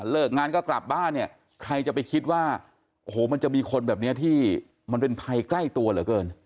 เลิกงานก็กลับบ้านเนี่ยใครจะไปคิดว่าโอ้โหมันจะมีคนแบบนี้ที่มันเป็นภัยใกล้ตัวเหลือเกิน